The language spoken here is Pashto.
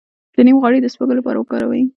د نیم غوړي د سپږو لپاره وکاروئ